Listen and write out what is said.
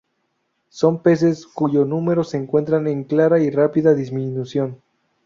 Son peces cuyo número se encuentra en clara y rápida disminución.